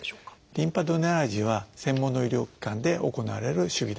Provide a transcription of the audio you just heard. リンパドレナージは専門の医療機関で行われる手技です。